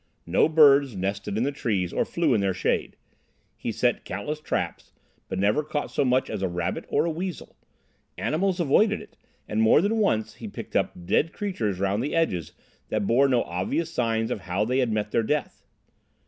No birds nested in the trees, or flew into their shade. He set countless traps, but never caught so much as a rabbit or a weasel. Animals avoided it, and more than once he had picked up dead creatures round the edges that bore no obvious signs of how they had met their death.